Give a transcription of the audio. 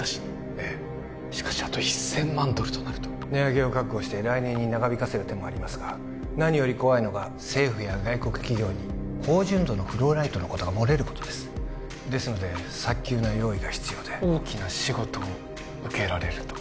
ええしかしあと１０００万ドルとなると値上げを覚悟して来年に長引かせる手もありますが何より怖いのが政府や外国企業に高純度のフローライトのことが漏れることですですので早急な用意が必要で大きな仕事を受けられると？